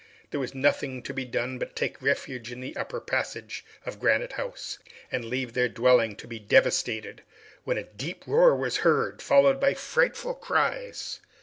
There was nothing to be done but to take refuge in the upper passage of Granite House, and leave their dwelling to be devastated, when a deep roar was heard, followed by frightful cries!